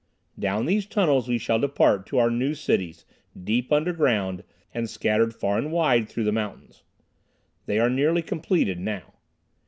"Down these tunnels we shall depart to our new cities, deep under ground, and scattered far and wide through the mountains. They are nearly completed now.